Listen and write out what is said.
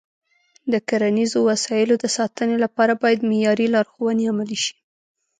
د کرنیزو وسایلو د ساتنې لپاره باید معیاري لارښوونې عملي شي.